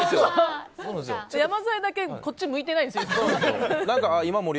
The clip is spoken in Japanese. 山添だけこっち向いてないんですよ。